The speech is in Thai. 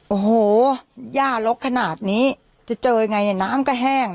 โอ้โหย่าลกขนาดนี้จะเจอยังไงเนี่ยน้ำก็แห้ง